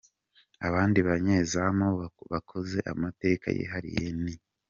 Abandi banyezamu bakoze amateka yihariye ni:.